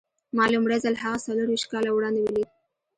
ما لومړی ځل هغه څلور ويشت کاله وړاندې وليد.